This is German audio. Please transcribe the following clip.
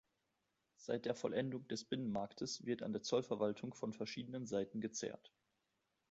Seit der Vollendung des Binnenmarktes wird an den Zollverwaltungen von verschiedenen Seiten gezerrt.